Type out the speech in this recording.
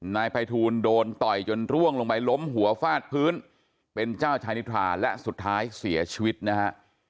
นายภัยทูลโดนต่อยจนร่วงลงไปล้มหัวฟาดพื้นเป็นเจ้าชายนิทราและสุดท้ายเสียชีวิตนะฮะ